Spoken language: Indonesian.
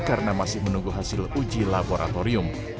karena masih menunggu hasil uji laboratorium